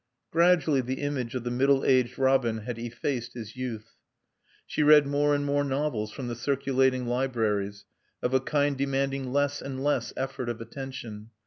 Gradually the image of the middle aged Robin had effaced his youth. She read more and more novels from the circulating libraries, of a kind demanding less and less effort of attention.